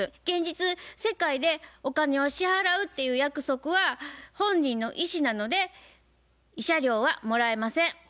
現実世界でお金を支払うっていう約束は本人の意思なので慰謝料はもらえません。